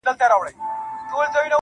گراني خبري سوې د وخت ملكې .